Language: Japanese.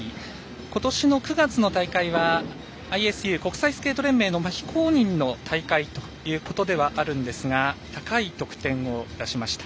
ことしの９月の大会はＩＳＵ＝国際スケート連盟の非公認の大会ということではあるんですが高い得点を出しました。